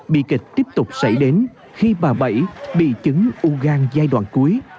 bi kịch tiếp tục xảy đến khi bà bảy bị chứng u gan giai đoạn cuối